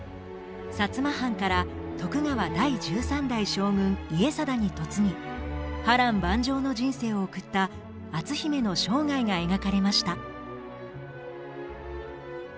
摩藩から徳川第十三代将軍家定に嫁ぎ波乱万丈の人生を送った篤姫の生涯が描かれました。